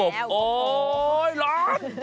กบโอ้ร้อน